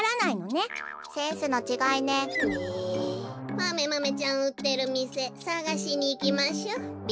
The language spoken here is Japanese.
マメマメちゃんうってるみせさがしにいきましょべ。